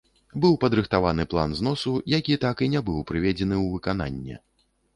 Быў падрыхтаваны план зносу, які так і не быў прыведзены ў выкананне.